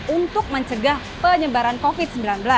untuk mencegah penyebaran covid sembilan belas